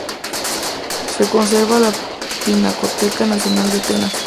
Se conserva en la Pinacoteca Nacional de Atenas.